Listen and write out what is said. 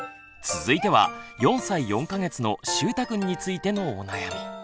続いては４歳４か月のしゅうたくんについてのお悩み。